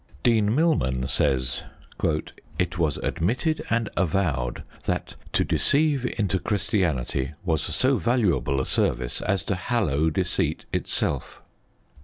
Dean Milman says: It was admitted and avowed that to deceive into Christianity was so valuable a service as to hallow deceit itself.